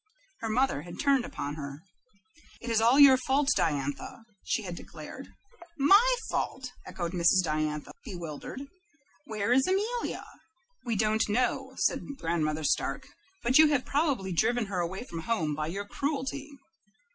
Her mother had turned upon her. "It is all your fault, Diantha," she had declared. "My fault?" echoed Mrs. Diantha, bewildered. "Where is Amelia?" "We don't know," said Grandmother Stark, "but you have probably driven her away from home by your cruelty."